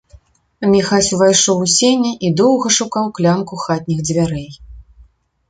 Міхась увайшоў у сені і доўга шукаў клямку хатніх дзвярэй.